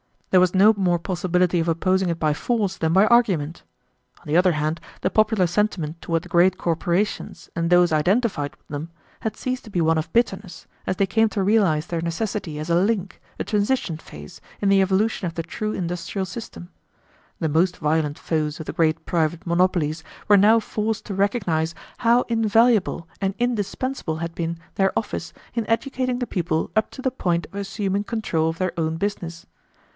There was no more possibility of opposing it by force than by argument. On the other hand the popular sentiment toward the great corporations and those identified with them had ceased to be one of bitterness, as they came to realize their necessity as a link, a transition phase, in the evolution of the true industrial system. The most violent foes of the great private monopolies were now forced to recognize how invaluable and indispensable had been their office in educating the people up to the point of assuming control of their own business.